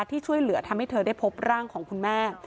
ที่ช่วยเหลือทำให้เธอได้พบร่างของคุณแม่